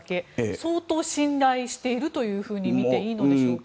相当信頼しているというふうに見ていいのでしょうか。